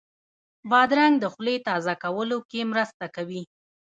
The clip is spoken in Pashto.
بادرنګ د خولې تازه کولو کې مرسته کوي.